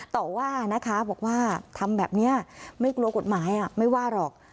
แต่ว่าว่าทำแบบนี้ไม่กลัวกฎหมายไม่ว่าหรอก